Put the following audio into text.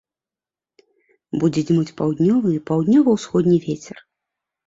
Будзе дзьмуць паўднёвы і паўднёва-ўсходні вецер.